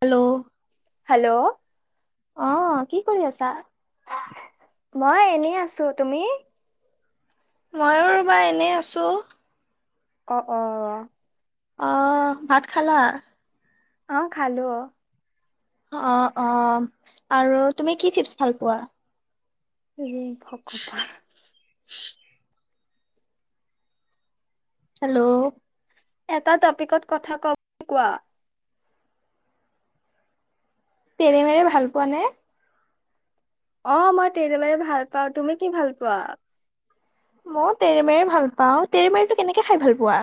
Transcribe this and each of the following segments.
Hello? Hello? অ', কি কৰি আছা? মই এনেই আছোঁ, তুমি? ময়ো ৰ'বা, এনেই আছোঁ। অ অ। অ ভাত খালা? অ খালো। অ অ আৰু তুমি কি চিপচ ভাল পোৱা? এ ভগৱান। হেল্ল' এটা টপিকত কথা ক কোৱা? তেৰেমেৰে ভাল পোৱা নে? অ মই তেৰে মেৰে ভাল পাওঁ তুমি কি ভাল পোৱা? মও তেৰেমেৰে ভাল পাওঁ তেৰমেৰেটো কেনেকে খাই ভাল পোৱা?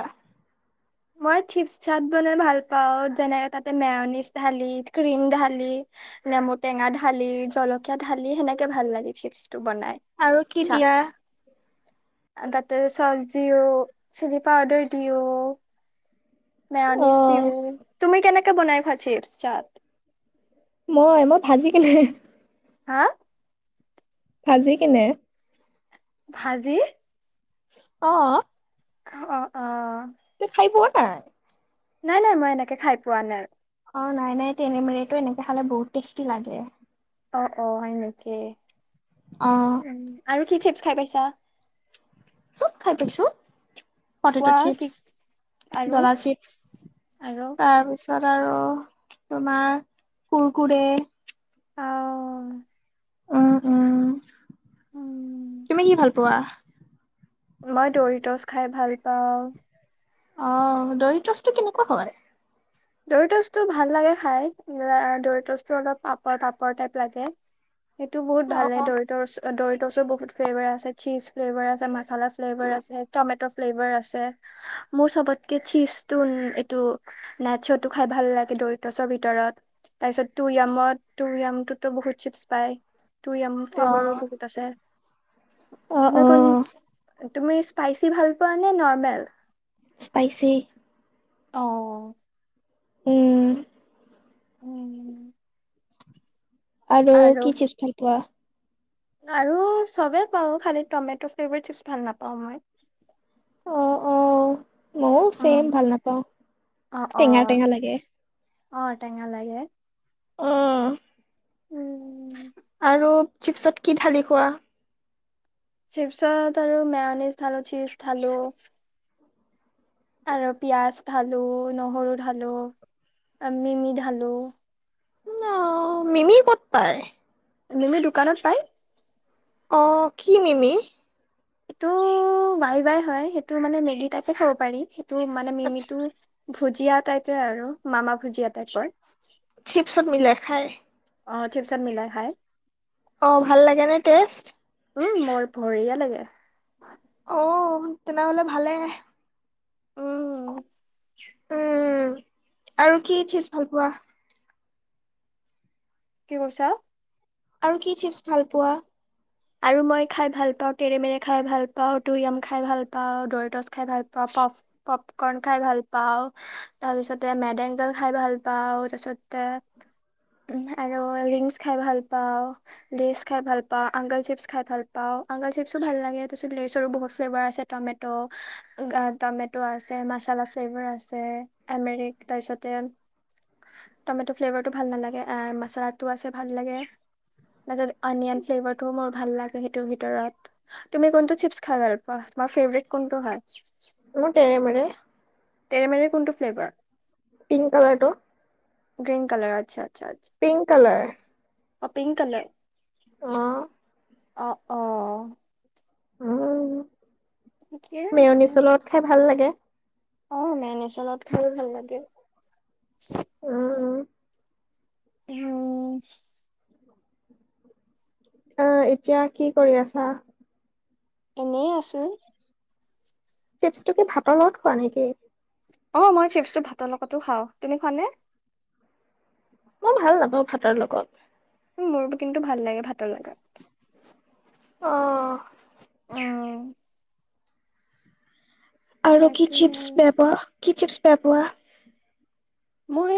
মই চিপচ চাট বনাই ভাল পাওঁ যেনে তাতে মেউনিছ ঢালি ক্ৰীম ঢালি। নেমু টেঙা ঢালি জলকীয়া ঢালি সেনেকে ভাল লাগে চিপছটো বনাই। আৰু কি চাট। দিয়া? তাতে চচ দিওঁ, চিলি পাউদাৰ দিওঁ। অ মেয়নিছ দিওঁ। তুমি কেনেকে বনাই খোৱা চিপছ্-চাত? মই? মই ভাজিকিনে। হা? ভাজি কিনে। ভাজি? অহ। অ', অ', অ'। তুমি খাই পোৱা নাই? নাই, নাই। মই এনেকে খাই পোৱা নাই। অ', নাই নাই, তেৰেমেৰেটো এনেকে খালে বহুত টেষ্টি লাগে। অ', অ', হয় নেকি! অ'। উম, আৰু কি চিপছ খাই পাইছা? চব খাই পাইছোঁ। পটেটো কোৱা চিপছ, কি আৰু জলা চিপছ, আৰু তাৰপিছত ত আৰু তোমাৰ, কুৰকুৰে অউ। উম, উম। উম তুমি কি ভাল পোৱা? মই দৰিত'চ খাই ভাল পাওঁ। অ', দৰিত'চটো কেনেকুৱা হয়? দৰিত'চটো ভাল লাগে খায়। আ-আ-দৰিত'চটো অলপ পাপৰ পাপৰ টাইপ লাগে। সেইটো বহুত অ ভাল লাগে, অ দৰিত'চ। দৰিত'চৰ বহুত ফ্লেভাৰ আছে, চীজ ফ্লেভাৰ আছে মাচালা ফ্লেভাৰ আছে, টমেট' ফ্লেভাৰ আছে। সা-মোৰ চবতকে চীজটো ন- এইটো নাছ'টো খাই ভাল লাগে, দৰিত'চৰ ভিতৰত। তাৰপিছত টুইয়ামত, টুয়ামটোতো বহুত চিপছ পায়। টুইয়াম ফ্লেভাৰো অ বহুত আছে। অ অ তুমি কোন তুমি স্পাইচি ভাল পোৱা নে নৰ্মেল? স্পাইচি। অ'। উম। উম। আৰু কি চিপছ ভাল পোৱা? আৰু চবেই পাওঁ। খালী টমেট' ফ্লেভাৰ চিপছ ভাল নাপাওঁ মই। অ', অ'। মইও ছেম, অ', ভাল নাপাওঁ। অ', টেঙা অ', টেঙা লাগে। অ', টেঙা লাগে। অ'। উম। আৰু চিপছত কি ঢালি খোৱা? চিপছত আৰু মেয়'নিচ ঢালোঁ, চীজ ঢালোঁ। আৰু পিয়াঁজ ঢালোঁ, নহৰু ঢালোঁ, আম-মিমি ঢালোঁ। নউ, মিমি ক'ত পায়? মিমি দোকানত পাই। অঁ কি মিমি? সেইটো ৱাই ৱাই হয় সেইটো মানে মেগি টাইপে খাব পাৰি, সেইটো মানে মিমিটো ভুজিয়া টাইপে আৰু মামা ভুজিয়া টাইপৰ। চিপছত মিলাই খায়? অ চিপছত মিলাই খায়। অঁ ভাল লাগে নে টেষ্ট? উম মৰ বঢ়িয়া লাগে। অঁ তেনেহ'লে ভালে। উম। উম আৰু কি চিপছ ভাল পোৱা? কি কৈছা? আৰু কি চিপছ ভাল পোৱা? আৰু মই খায় ভাল পাওঁ তেৰেমেৰে খায় ভাল পাওঁ টুয়াম খায় ভাল পাওঁ দৰিটচ খায় ভাল পাওঁ পফ পপকৰ্ণ খায় ভাল পাওঁ। তাৰপিছতে মেদএঙ্গল খায় ভাল পাওঁ, তাৰপিছতে উম আৰু ৰিংছ খায় ভাল পাওঁ লেচ খায় ভাল পাওঁ আংকল চিপছ খায় ভাল পাওঁ আংকল চিপছো ভাল লাগে তাৰপিছত লেচৰো বহত ফ্লেভাৰ আছে ট'মেট ত' গা টমেট' আছে মাছালা ফ্লেভাৰ আছে এমেৰিক তাৰপিছতে টমেট ফ্লেভাৰটো ভাল নালাগে এ মচালাটো আছে ভাল লাগে তাৰপিছত অনিয়ন ফ্লেভাৰটোও মোৰ ভাল লাগে সেইটোৰ ভিতৰত। তুমি কোনটো চিপছ খায় ভাল পোৱা তোমাৰ ফেভৰেট কোনটো হয়? মোৰ তেৰেমেৰে। তেৰেমেৰে কোনটো ফ্লেভাৰ? পিংক কালাৰটো। গ্ৰীণ কালাৰ আচ্ছা আচ্ছা আচ্ছা। Pink colour. অ পিংক কালাৰ। অঁ। অ অ। ঠিকে আছে মেয়নিচৰ লগত খায় ভাল লাগে। অ মেয়নিচৰ লগত খায়ও ভাল লাগে। উম উম। অঁ এতিয়া কি কৰি আছা? এনেই আছো। চিপছটো কি ভাতৰ লগত খোৱা নে কি? অ মই চিপছটো ভাতৰ লগতো খাওঁ, তুমি খোৱানে? মই ভাল নাপাওঁ ভাতৰ লগত। মোৰ কিন্তু ভাল লাগে ভাতৰ লগত। অঁহ। উম'। আৰু কি তাকে চিপছ বেয়াপোৱা? কি চিপছ বেয়া পোৱা? মই,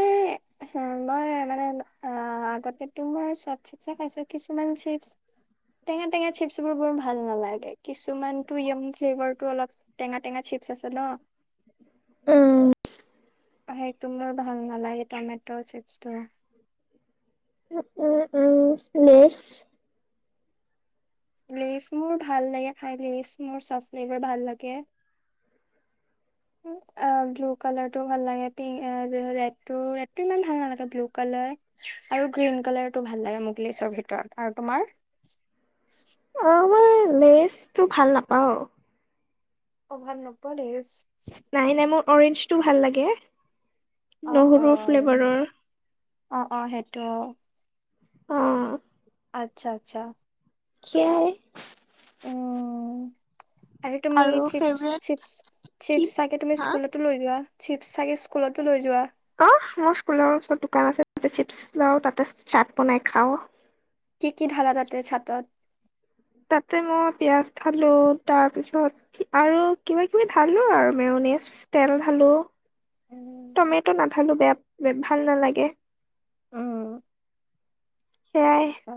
মই মানে আ অ' আগতেটো মই চব চিপছে খাইছো কিছুমান চিপছ টেঙা টেঙা চিপছ বোৰ মোৰ ভাল নালাগে, কিছুমান য়াম ফ্লেভাৰটো অলপ টেঙা টঙা চিপছ্ আছে ন'। উম। সেইটো মোৰ ভাল নালাগে টমেটো চিপছটো। উ' উ লেই'ছ্। লেইচ্ মোৰ ভাল লাগে খাই, লেই'চ্ মোৰ চফ ফ্লেভাৰ ভাল লাগে। [unintelligible] অ, ' ব্লু কালাৰ টো ভাল লাগে, পিংক- ৰেড টো ৰেড টো ইমান ভাল নালাগে ব্লু কালাৰ - আৰু গ্ৰীণ কালাৰটো ভাল লাগে মোক লেই'ছৰ ভিতৰত, আৰু তোমাৰ? অ' মই লেইছটো ভাল নাপাওঁ। অ' ভাল নোপোৱা লেই'ছ? নাই নাই মোৰ অৰেঞ্জটো ভাল লাগে, অ অ নহৰু ফ্লেভাৰৰ। অ' অ' সেইটো। অ'। আচ্ছা আচ্ছা। কি হে? উম, আৰু তুমি কি চিপছ্-চিপছ্-চিপছ্ চাগে তুমি হা স্কুলত - টো লৈ যোৱা, চিপছ চাগে স্কুলতো লৈ যোৱা? অ' মোৰ স্কুলৰ ওচৰত দোকান আছে তাতে চিপছ লও তাতে চাৰ্ট বনাই খাও। কি কি ঢালা তাতে চাতত? তাতে মই পিয়াজ ঢালো, তাৰ পিছত - আৰু কিবা কিবি ঢালো আৰু মেঅ'নিজ তেল ঢালো। উম তমেটো নাঢালো বেয়া ভাল নালাগে। সেয়াই। অ,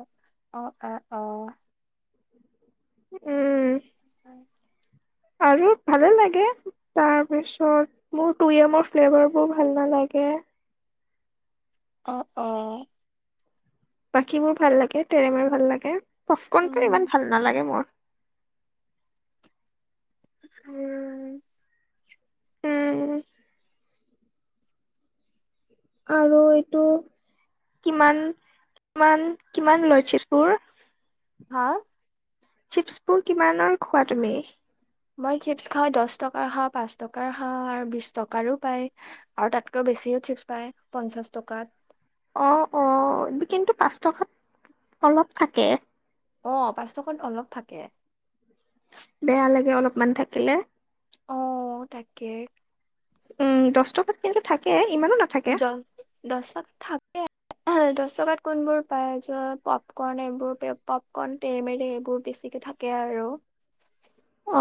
অ, অ, অ,। উম। [unintelligible] আৰু ভালে লাগে। তাৰ পিছত মোৰ টুইয়েমৰ ফ্লেভাৰ বোৰ ভাল নালাগে। অ', অ '। বাকী বোৰ ভাল লাগে, তেৰেমেৰে ভাল লাগে, পপৰ্কণটো উম ইমান ভাল নালাগে মোৰ। উম। উম। আৰু এইটো কিমান, কিমান, কিমান লয় চিপছ্ বোৰ? হা? চিপছ্ বোৰ কিমানৰ খোৱা তুমি? মই চিপছ খাওঁ দহ টকাৰ খাওঁ পাঁচ টকাৰ খাওঁ আৰু বিশ টকাৰো পায়। আৰু তাতকৈ বেছিও চিপছ পায় পঞ্চাশ টকাত। অ', অ' কিন্তু পাঁচ টকাত অলপ থাকে। অ' পাঁচ টকাত অলপ থাকে। বেয়া লাগে অলপমান থাকিলে। অ' তাকে। উম, দহ টকাত কিন্তু থাকে ইমানো না জন দহ তাত থাকে। অ, দহ টকাত কোনবোৰ পাই যোৱা পপকৰ্ন এইবোৰ পপকৰ্ন তেৰেমেৰে এইবোৰ বেছিকে থা কে আৰু।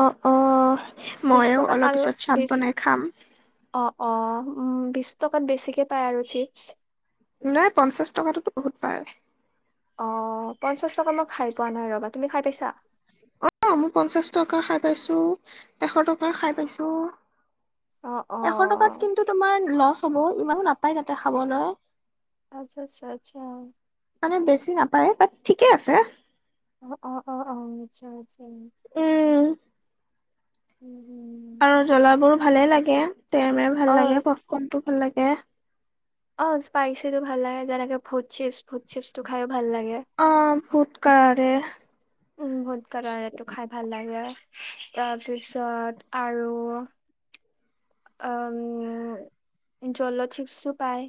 অ অ বিশ ময়ো টকাত অলপ আৰু পিছত চাত বিশ বনাই খাম। অ অ উম, বিশ টকাত বেছিকে পায় আৰু চিপছ। নাই পঞ্চাশ টকাটোতো বহুত পায়। অ, পঞ্চাশ টকা মই খাই পোৱা নাই ৰবা, তুমি খাই পাইছা? অ, মোৰ পঞ্চাশ টকা খাই পাইছো এশ টকাৰ খাই পাইছো। অ অ এশ টকাত কিন্তু তোমাৰ লচ হ'ব ইমানো নাপায় তাতে খাবলৈ। আচ্ছা আচ্ছা আচ্ছা। মানে বেছি নাপায় বাট ঠিকে আছে। অ অ অ অ আচ্ছা আচ্ছা। উম। উম উম। আৰু জ্বলাবোৰ ভালে লাগে তেৰমেৰ ভাল লাগে, অ', পফকনটো ভাল লাগে। অ, স্পাইচিটো ভাল লাগে যেনেকে ভুড চিপছ, ভুড চিপছটো খাইয়ো ভাল লাগে। অ, ফুদ কালাৰ দিয়ে। উম, ভুট কালাৰটো খাই ভাল লাগে তাৰপিছত আৰু উম, জল চিপছো পায়।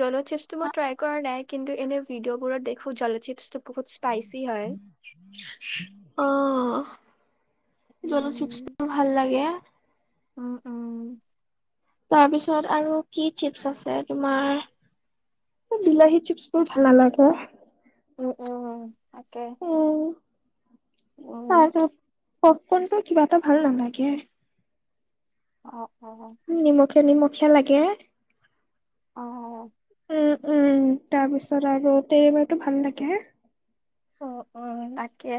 জল চিপটো মই ট্ৰাই কৰা নাই কিন্তু এনে ভিডিঅ' বোৰত দেখো জল'চিপচটো বহুত স্পাইচি হয়। অ, উম, জল'চিপচটো ভাল লাগে। উম উম। তাৰপিছত আৰু কি চিপছ আছে তোমাৰ বিলাহী চিপ্ছ মোৰ ভাল নালাগে। উম উম উম, তাকে। উম, [unintelligible] পপকনটো কিবা এটা ভাল লাগে। অ অ। উম, নিমখীয়া নিমখীয়া লাগে। অ অ। উম উম তাৰপিছত আৰু তেৰেমেৰেটো ভাল লাগে। অ অ তাকে।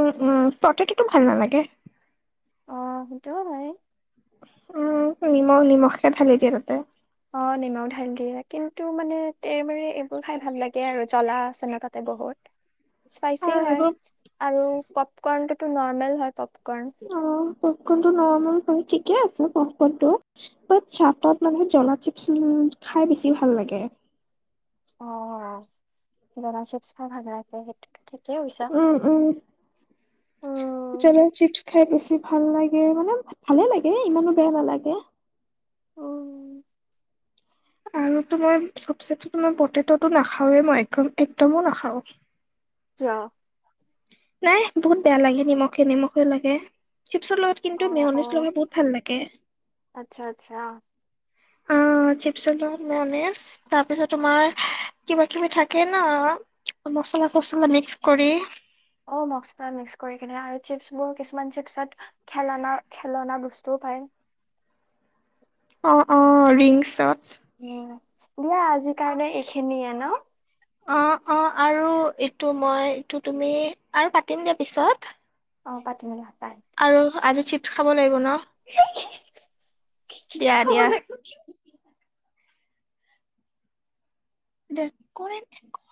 উম উম পতেটোতো ভাল নালাগে। অ, সেইটোও হয়। উম, নিমখ নিমখকে ঢালি দিয়ে তাতে। অ, নিমখ ঢালি দিয়ে কিন্তু মানে এইবোৰ খাই ভাল লাগে আৰু জ্বলা আছে ন' তাতে বহুত। [inaudible] স্পাইচি আৰু হয় সেইবোৰ আৰু পপকৰ্ণটোতো নৰ্মেল হয় পপকৰ্ন। অ, পফকৰ্ন টো নৰ্মেল হয় ঠিকে আছে পফকৰ্ন টো। অ, চাটত মানে জলা চিপছ খাই বেছি ভাল লাগে। অ, জ্বলা চিপচ খাই ভাল লাগে সেইটোটো ঠিকেছ কৈছা। উম উম। জ্বলা চিপছ খাই বেছি ভাল লাগে মানে, ভালে লাগে ইমানো বেয়া নালাগে। আৰু তোমাৰ চবচেতো তোমাৰ পটে'টো নাখাওৱে মই একদম একদমে নাখাও। [unintelligible] নাই বহুত বেয়া লাগে নিমখীয়া নিমখীয়া লাগে চিপচৰ লগত অ কিন্তু অ মেয়নিজ লগাই বহুত ভাল লাগে। আচ্ছা আচ্ছা অ, চিপচৰ লগত মেয়নিজ তাৰপিছত তোমাৰ কিবা কিবি থাকে ন' মছলা-চচলা মিক্স কৰি অ', মচলা মিক্স কৰিকেনে আৰু চিপছ বোৰ, কিছুমান চিপছত খেলনা-খেলনা বস্তুও পায়। অ'-অ' ৰিংচতচ উম, দিয়া আজিৰ কাৰণে এইখিনিয়ে ন? অ'-অ', আৰু এইটো মই তু-তুমি আৰু পাতিম দিয়া পিছত। অ', পতিম দিয়া, বাই। আৰু আজি চিপছ খাব লাগিব ন? দিয়া বাই দিয়া। [unintelligible]